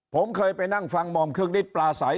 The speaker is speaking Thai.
ผมเคยไปนั่งฟังหม่อมเครื่องนิดปลาใส